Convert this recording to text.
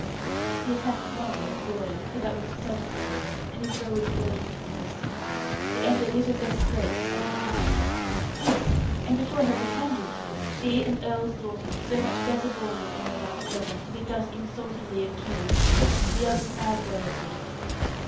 The attack was longer and broader, but that was the substance of it, and Isabel was goaded to resistance, to anger little less great than that of the countess. This! and before her attendant! She, an earl's daughter, so much better born than Emma Mount Severn, to be thus insultingly accused in the other's mad jealousy.